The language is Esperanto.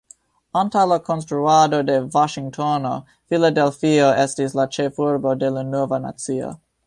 Antaŭ la konstruado de Vaŝingtono, Filadelfio estis la ĉefurbo de la nova nacio.